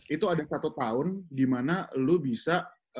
itu ada satu tahun di mana lu bisa